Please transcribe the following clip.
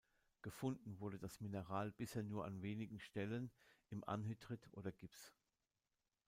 Gefunden wurde das Mineral bisher nur an wenigen Stellen im Anhydrit oder Gips.